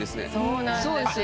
そうなんですよ。